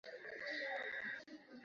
hufa kutokana na ugonjwa huu